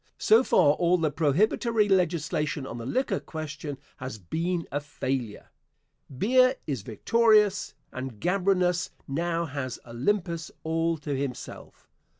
So far all the prohibitory legislation on the liquor question has been a failure. Beer is victorious, and Gambrinus now has Olympus all to himself.